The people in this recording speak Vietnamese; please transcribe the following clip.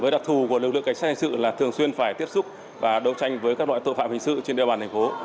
đặc thù của lực lượng cảnh sát hình sự là thường xuyên phải tiếp xúc và đấu tranh với các loại tội phạm hình sự trên địa bàn thành phố